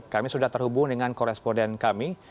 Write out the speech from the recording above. kami sudah terhubung dengan koresponden kami